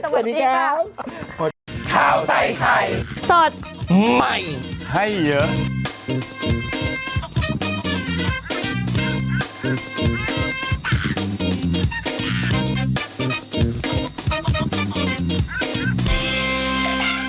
สวัสดีค่ะสวัสดีครับ